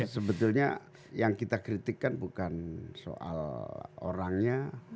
sebetulnya yang kita kritikkan bukan soal orangnya